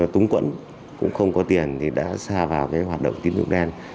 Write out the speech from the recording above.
túng quẫn cũng không có tiền thì đã xa vào cái hoạt động tín dụng đen